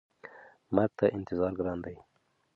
مرګ ته انتظار ګران دی.